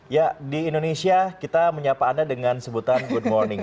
ya di indonesia kita menyapa anda dengan sebutan good morning